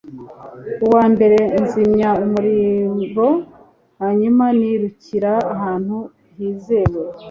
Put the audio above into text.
Ubwa mbere nzimya umuriro hanyuma nirukira ahantu hizewe